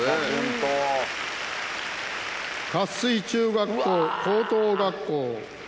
活水中学校・高等学校。